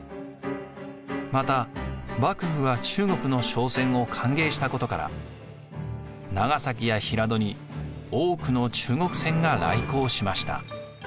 また幕府は中国の商船を歓迎したことから長崎や平戸に多くの中国船が来航しました。